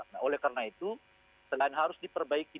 nah oleh karena itu selain harus diperbaiki di awal